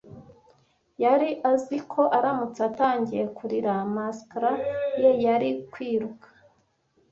Yari azi ko aramutse atangiye kurira mascara ye yari kwiruka.